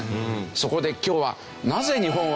そこで今日は。